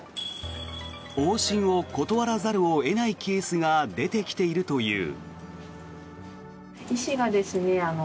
往診を断らざるを得ないケースが出てきているという。